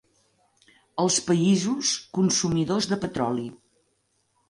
Els països consumidors de petroli.